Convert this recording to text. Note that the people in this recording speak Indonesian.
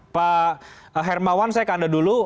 pak hermawan saya ke anda dulu